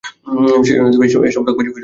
সেজন্যই এসব ঠগবাজি থামিয়ে দিয়েছি আমি।